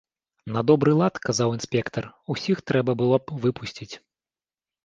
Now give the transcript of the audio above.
На добры лад, казаў інспектар, усіх трэба было б выпусціць.